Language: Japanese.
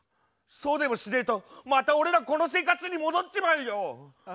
そうでもしねえとまた俺らこの生活に戻っちまうよ！